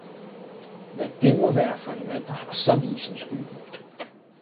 Hvad det må være for en mand, der har så vís en skygge!